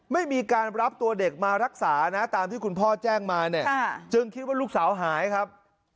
ไม่มีการรับตัวเด็กมารักษานะตามที่คุณพ่อแจ้งมาเนี่ยจึงคิดว่าลูกสาวหายครับ